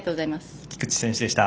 菊地選手でした。